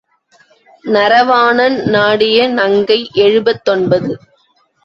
நரவாணன் நாடிய நங்கை எழுபத்தொன்பது.